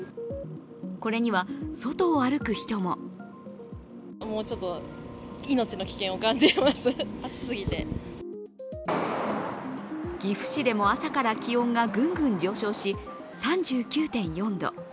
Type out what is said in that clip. これには外を歩く人も岐阜市でも朝から気温がグングン上昇し３９．４度。